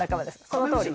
そのとおり。